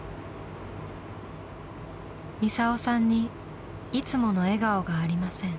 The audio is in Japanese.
ミサオさんにいつもの笑顔がありません。